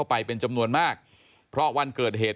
ทางนิติกรหมู่บ้านแจ้งกับสำนักงานเขตประเวท